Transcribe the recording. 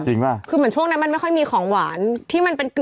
ป่ะคือเหมือนช่วงนั้นมันไม่ค่อยมีของหวานที่มันเป็นกึ่ง